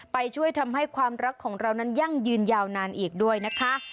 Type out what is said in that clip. ช่วยทำให้ความรักของเรานั้นยั่งยืนยาวนานอีกด้วยนะคะ